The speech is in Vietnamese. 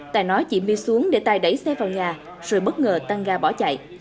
tài nói diễm vi xuống để tài đẩy xe vào nhà rồi bất ngờ tăng ga bỏ chạy